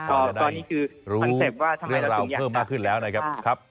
ก็นี่คือความรู้เรื่องราวเพิ่มมากขึ้นแล้วนะครับ